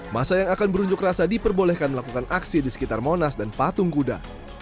masa yang akan berunjuk rasa diperbolehkan melakukan aksi di sekitar monas dan patung kuda